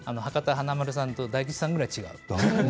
華丸さんと大吉さんぐらい違うんです。